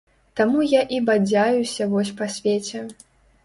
Таму я і бадзяюся вось па свеце.